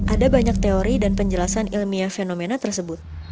ada banyak teori dan penjelasan ilmiah fenomena tersebut